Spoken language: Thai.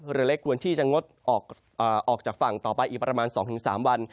เรือเล็กควรที่จะงดออกจากฝั่งต่อไปอีกประมาณ๒๓วัน